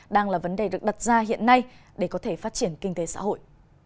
đang là vấn đề được đặt ra hiện nay để có thể phát triển kinh tế xã hội